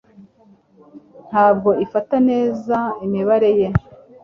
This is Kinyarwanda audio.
Ntabwo ifata neza imibare ye